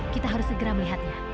kita harus segera melihatnya